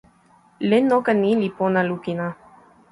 len noka ni li pona lukin a.